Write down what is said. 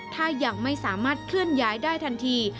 ถ้ายังไม่สามารถเคลื่อนย้ายได้ทันที